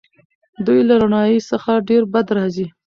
دوی له رڼایي څخه ډېر بد راځي.